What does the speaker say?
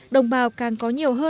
đồng bào càng có nhiều hợp